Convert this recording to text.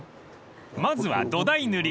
［まずは土台塗り。